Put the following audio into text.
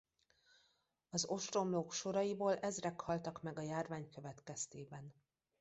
Az ostromlók soraiból ezrek haltak meg a járvány következtében.